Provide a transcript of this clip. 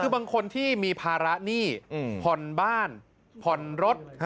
คือบางคนที่มีภาระหนี้ผ่อนบ้านผ่อนรถ